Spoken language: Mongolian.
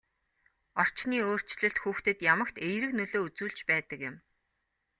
Орчны өөрчлөлт хүүхдэд ямагт эерэг нөлөө үзүүлж байдаг юм.